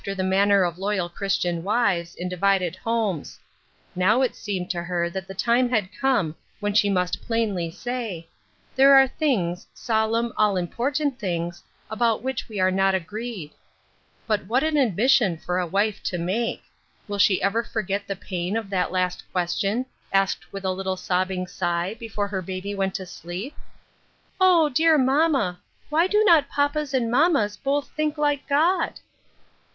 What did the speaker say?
the manner of loyal Christian wives, in divided homes ; now it seemed to her that the time had come when she must plainly say, " There are things, solemn, all important things, about which " THE DEED FOR THE WILL." I43 we are not agreed." But what an admission for a wife to make ! Will she ever forget the pain of that last question, asked with a little sobbing sigh, before her baby went to sleep, " Oh ! dear mamma, why do not papas and mammas both think like God